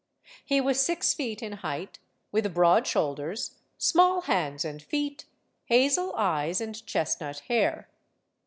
He was six feet in height, with broad shoulders, small hands and feet, hazel eyes, and chestnut hair.